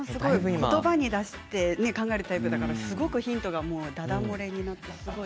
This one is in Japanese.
ことばに出して考えるタイプだからヒントがだだ漏れになってすごい。